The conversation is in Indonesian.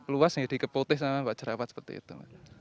luas nih di keputis sama bapak jerawat seperti itu